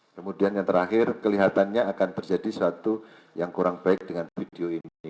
kemudian yang terakhir kelihatannya akan terjadi sesuatu yang kurang baik dengan video ini